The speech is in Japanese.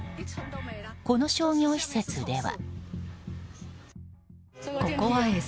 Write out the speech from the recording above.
この商業施設では。